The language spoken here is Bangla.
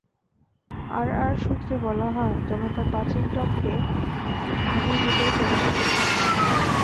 আরআর সূত্রে বলা হয়, জনতা পাঁচিল টপকে ঘাঁটির ভেতরে প্রবেশের চেষ্টা করে।